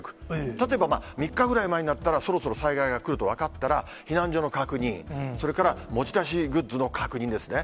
例えば３日ぐらい前になったら、そろそろ災害が来ると分かったら、避難所の確認、それから持ち出しグッズの確認ですね。